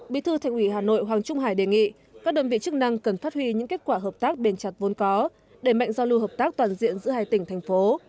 bí thư thành ủy hà nội hoàng trung hải đề nghị các đơn vị chức năng cần phát huy những kết quả hợp tác bền chặt vốn có đẩy mạnh giao lưu hợp tác toàn diện giữa hai tỉnh thành phố